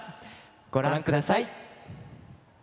ご覧ください。